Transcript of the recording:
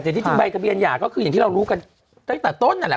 แต่ที่จริงใบกระเบียนหย่าก็คืออย่างที่เรารู้กันตั้งแต่ต้นนั่นแหละ